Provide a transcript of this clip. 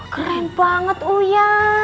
keren banget uya